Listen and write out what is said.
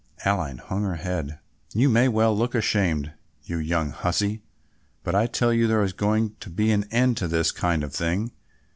Aline hung her head. "You may well look ashamed, you young hussie, but I tell you there is going to be an end to this kind of thing.